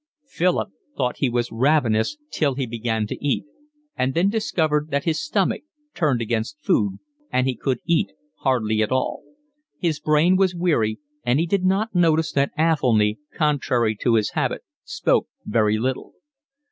Philip thought he was ravenous till he began to eat, but then discovered that his stomach turned against food, and he could eat hardly at all. His brain was weary; and he did not notice that Athelny, contrary to his habit, spoke very little.